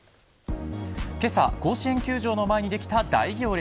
今朝甲子園球場の前にできた大行列。